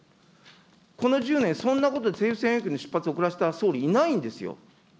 この１０年、そんなことで政府専用機、出発を後らせた総理いないんですよ。